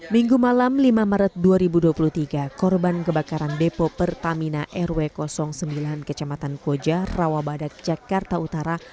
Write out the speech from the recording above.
minggu malam lima maret dua ribu dua puluh tiga korban kebakaran depo pertamina rw sembilan kecamatan koja rawabadak jakarta utara